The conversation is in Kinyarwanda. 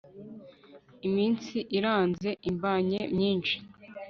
iminsi iranze imbanye myinshi